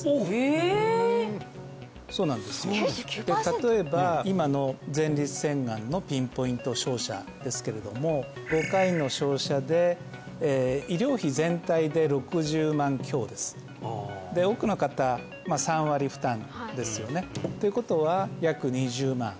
例えば今の前立腺がんのピンポイント照射ですけれども５回の照射で医療費全体で６０万強ですで多くの方まあ３割負担ですよねということは約２０万